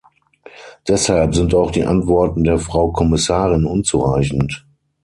Deshalb sind auch die Antworten der Frau Kommissarin unzureichend.